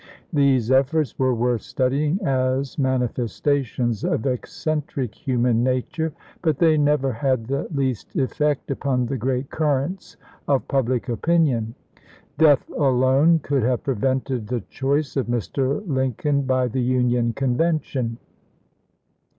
These efforts were worth studying as manifestations of eccentric human nature, but they never had the least effect upon the great currents of public opin ion. Death alone could have prevented the choice of Mr. Lincoln by the Union Convention.